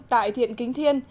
tại thiện kính thiên